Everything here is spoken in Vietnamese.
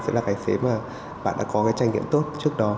sẽ là cái tài xế mà bạn đã có cái trải nghiệm tốt trước đó